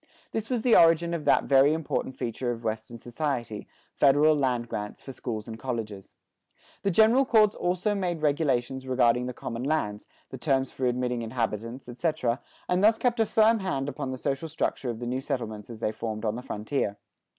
This was the origin of that very important feature of Western society, federal land grants for schools and colleges.[74:1] The General Courts also made regulations regarding the common lands, the terms for admitting inhabitants, etc., and thus kept a firm hand upon the social structure of the new settlements as they formed on the frontier.